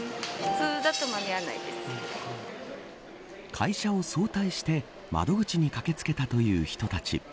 会社を早退して窓口に駆け付けたという人たち。